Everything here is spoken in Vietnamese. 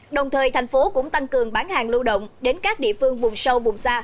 đồng thời thành phố cũng tăng cường bán hàng lưu động đến các địa phương vùng sâu vùng xa